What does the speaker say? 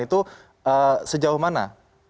itu sejauh mana